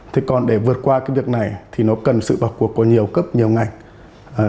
thế còn để vượt qua cái việc này thì nó cần sự vào cuộc của nhiều cấp nhiều ngành